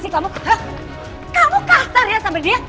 kamu kata lihat sama dia